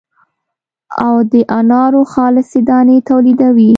او د انارو خالصې دانې تولیدوي.